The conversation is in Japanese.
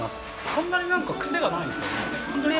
そんなになんか、癖がないですよね。